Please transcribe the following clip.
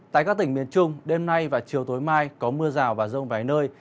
tại các tỉnh miền trung đêm nay và chiều tối mai có mưa rào và rông vài nơi